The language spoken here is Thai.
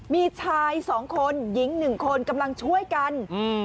มีชายสองคนหญิงหนึ่งคนกำลังช่วยกันอืม